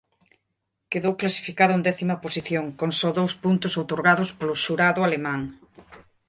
Quedou clasificado en décima posición con só dous puntos outorgados polo xurado alemán.